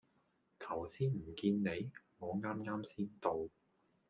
頭先唔見你？我啱啱先到